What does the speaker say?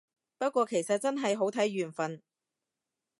不過其實真係好睇緣份